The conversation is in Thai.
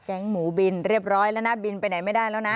หมูบินเรียบร้อยแล้วนะบินไปไหนไม่ได้แล้วนะ